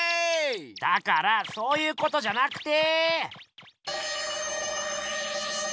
だからそういうことじゃなくて。